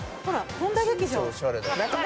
本多劇場。